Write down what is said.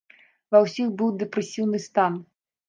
Ва ўсіх быў дэпрэсіўны стан.